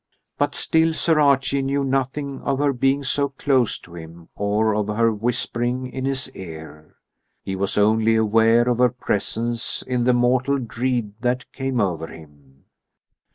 But still Sir Archie knew nothing of her being so close to him or of her whispering in his ear. He was only aware of her presence in the mortal dread that came over him.